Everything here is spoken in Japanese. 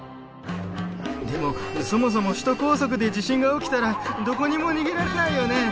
でもそもそも首都高速で地震が起きたらどこにも逃げられないよね。